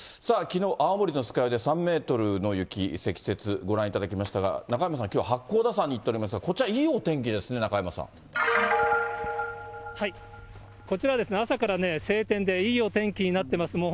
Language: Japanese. きのう青森の酸ヶ湯で３メートルの雪、積雪、ご覧いただきましたが、中山さん、きょう、八甲田山に行っておりました、こちらいいお天気ですね、こちら、朝から晴天で、いいお天気になってます。